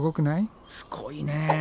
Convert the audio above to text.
すごいね。